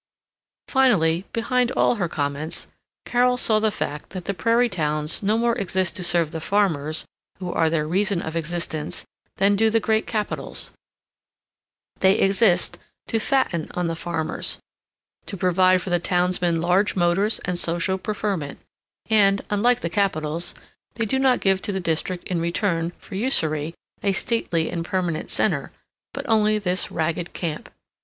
Finally, behind all her comments, Carol saw the fact that the prairie towns no more exist to serve the farmers who are their reason of existence than do the great capitals; they exist to fatten on the farmers, to provide for the townsmen large motors and social preferment; and, unlike the capitals, they do not give to the district in return for usury a stately and permanent center, but only this ragged camp.